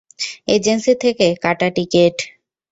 Agency থেকে কাটা ticket.